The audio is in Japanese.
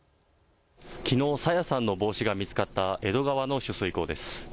きのう朝芽さんの帽子が見つかった江戸川の取水口です。